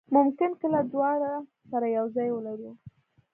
ممکن کله دواړه سره یو ځای ولرو.